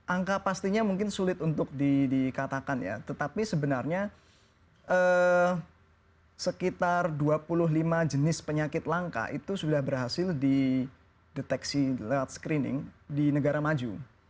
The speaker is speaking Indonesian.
angka pastinya mungkin sulit untuk dikatakan ya tetapi sebenarnya sekitar dua puluh lima jenis penyakit langka itu sudah berhasil dideteksi lewat screening di negara maju